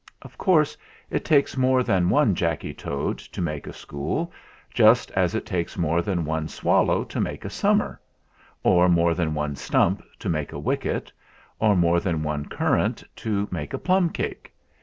Of course it takes more than one Jacky Toad to make a school, just as it takes more than one swallow to make a summer, or more than one stump to make a wicket, or more than one currant to make a plum cake.